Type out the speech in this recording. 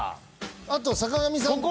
あと坂上さんと。